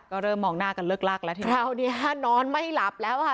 ก็เริ่มมองหน้ากันเลิกลักแล้วทีคราวนี้นอนไม่หลับแล้วค่ะ